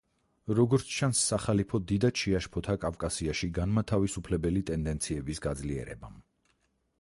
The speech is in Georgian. როგორც ჩანს, სახალიფო დიდად შეაშფოთა კავკასიაში განმათავისუფლებელი ტენდენციების გაძლიერებამ.